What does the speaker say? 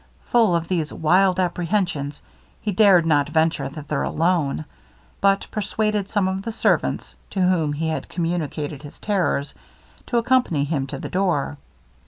Full of these wild apprehensions, he dared not venture thither alone, but persuaded some of the servants, to whom he had communicated his terrors, to accompany him to the door.